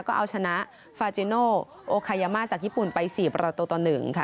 ก็เอาชนะฟาจิโนโอคายามาจากญี่ปุ่นไป๔ประตูต่อ๑ค่ะ